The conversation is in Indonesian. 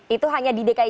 itu hanya di deklarasi